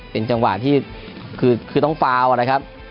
เป็นจังหวะที่คือต้องฟาวนะครับ